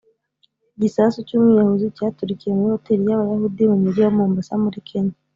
Igisasu cy’umwiyahuzi cyaturikiye muri hotel y’abayahudi mu mujyi wa Mombasa muri Kenya